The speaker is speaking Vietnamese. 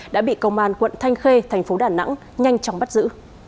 đã bị công an quận thanh khê thành phố đà nẵng nhanh chóng bắt giữ